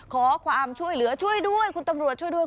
ขอความช่วยเหลือช่วยด้วยคุณตำรวจช่วยด้วย